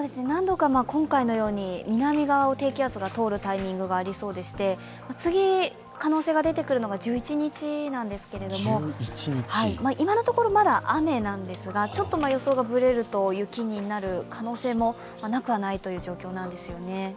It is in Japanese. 何度か今回のように南側を低気圧が通るタイミングがありそうで次、可能性が出てくるのが１１日ですが今ところまだ雨なんですが、ちょっと予想がぶれると雪になる可能性もなくはないという状況なんですよね。